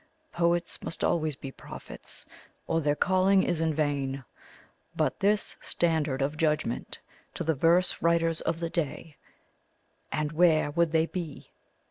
Poets must always be prophets, or their calling is in vain. Put this standard of judgment to the verse writers of the day, and where would they be?